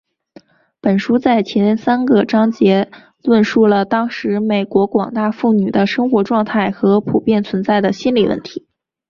本书在前三个章节论述了当时美国广大妇女的生活状态和普遍存在的心理问题。